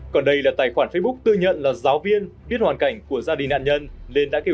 còn đây là tài khoản facebook tư nhận là giáo viên biết hoàn cảnh của gia đình nạn nhân nên đã kêu